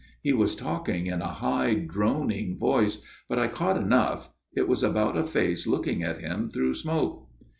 He was talking in a high droning voice, but I caught enough. It was about a face looking at him through smoke.